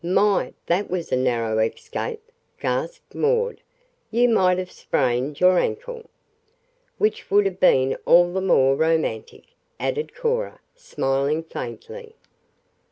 "My! That was a narrow escape!" gasped Maud. "You might have sprained your ankle." "Which would have been all the more romantic," added Cora, smiling faintly.